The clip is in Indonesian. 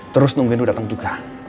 terus nungguin lo dateng juga